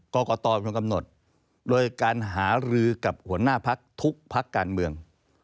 กรกตเป็นคนกำหนดโดยการหารือกับหัวหน้าพักทุกพักการเมือง